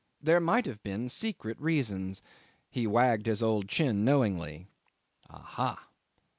There might have been secret reasons. He wagged his old chin knowingly. Aha!